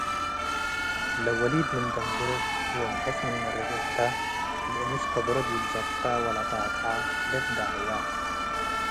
ለወሊድ ምን ደንግር ወምሕጽ ምን መርር እተ፡ ለአንስ ከበሮ ዲብ ዘብጠ ወለአጣቅዐ ልትደዐየ ።